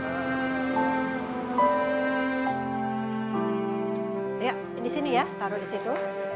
ya ini di sini ya taruh di situ